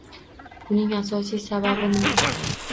Buning asosiy sababi nima?